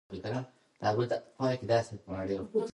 تعلیم یافته کسان په خپلو ټولنو کې د اعتبار وړ سرچینې وي.